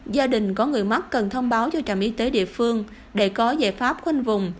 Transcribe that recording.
gia đình có người mắc cần thông báo cho trạm y tế địa phương để có giải pháp khoanh vùng